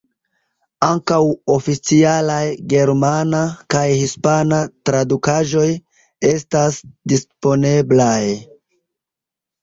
Ankaŭ oficialaj germana kaj hispana tradukaĵoj estas disponeblaj.